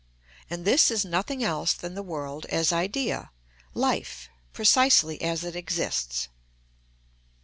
And this is nothing else than the world as idea, life, precisely as it exists.